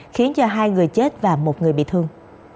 khiến cho hai người chết và một người bị thương